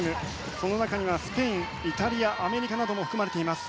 その中にはスペイン、イタリアアメリカなども含まれています。